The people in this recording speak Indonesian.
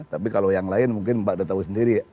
tapi kalau yang lain mungkin mbak udah tahu sendiri